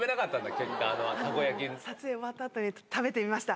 結果、撮影終わったあとに、食べてみました。